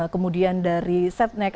kemudian dari setnek